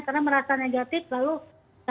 karena merasa negatif lalu kita menjalankan protokol